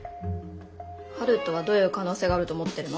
春風はどういう可能性があると思ってるの？